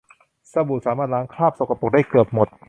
สบู่สามารถล้างคราบสกปรกได้เกือบหมด